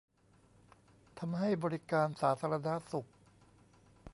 ทำให้บริการสาธารณสุข